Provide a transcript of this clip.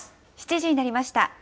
７時になりました。